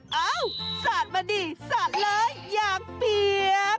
เอ้าสาดมาดิสาดเลยอยากเปียก